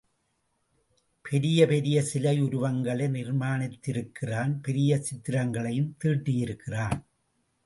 பெரிய பெரிய சிலை உருவங்களை நிர்மாணித்திருக்கிறான், பெரிய சித்திரங்களையும் தீட்டியிருக்கிறான்.